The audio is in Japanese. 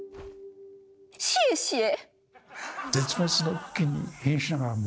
シエシエ！